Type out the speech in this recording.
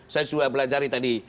saya sudah belajar tadi